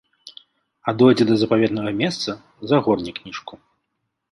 А дойдзе да запаветнага месца, загорне кніжку.